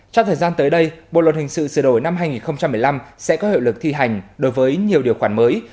trong thời gian tới đây bộ luật hình sự sửa đổi năm hai nghìn một mươi năm sẽ có hiệu lực thi hành đối với nhiều điều khoản mới